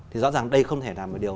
thì rõ ràng đây không thể là